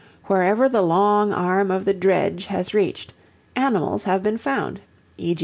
Wherever the long arm of the dredge has reached, animals have been found, e.